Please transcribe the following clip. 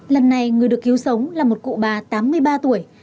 lần này người được cứu sống là một cụ bà tám mươi ba tuổi